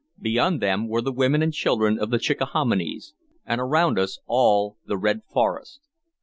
Beyond them were the women and children of the Chickahominies, and around us all the red forest.